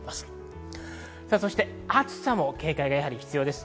暑さも警戒が必要です。